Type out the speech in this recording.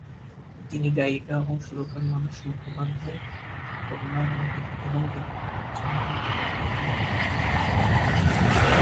তিনি গায়িকা ও সুরকার মানস মুখোপাধ্যায়ের কন্যা এবং গীতিকার জহর মুখোপাধ্যায়ের নাতনি।